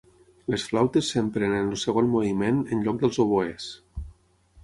Les flautes s'empren en el segon moviment en lloc dels oboès.